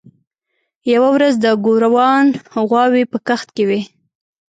یوه ورځ د ګوروان غواوې په کښت کې وې.